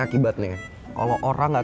tapi tetep aja dia ngacangin gue